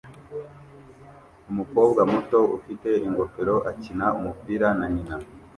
Umukobwa muto ufite ingofero akina umupira na nyina